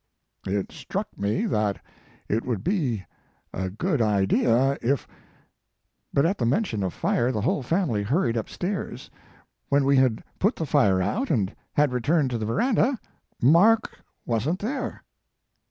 It struck rne that it would be a good idea if "But at the mention of fire the whole family hurried upstairs. When we had put the fire out, and had returned to the veranda, Mark wasn t there."